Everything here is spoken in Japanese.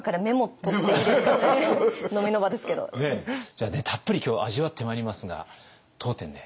じゃあねたっぷり今日は味わってまいりますが当店ね